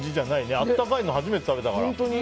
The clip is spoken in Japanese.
温かいの初めて食べたから。